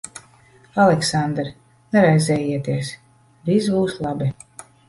Aleksandr, neraizējieties. Viss būs labi.